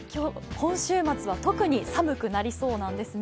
今週末は特に寒くなりそうなんですね。